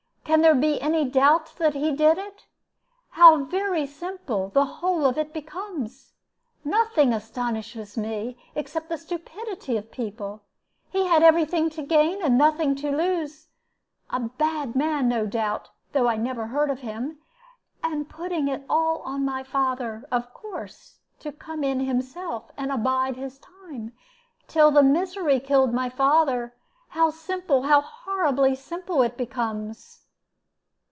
Can there be any doubt that he did it? How very simple the whole of it becomes! Nothing astonishes me, except the stupidity of people. He had every thing to gain, and nothing to lose a bad man, no doubt though I never heard of him. And putting it all on my father, of course, to come in himself, and abide his time, till the misery killed my father. How simple, how horribly simple, it becomes!"